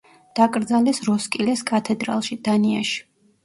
დაკრძალეს როსკილეს კათედრალში, დანიაში.